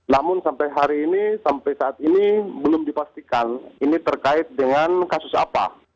namun sampai hari ini sampai saat ini belum dipastikan ini terkait dengan kasus apa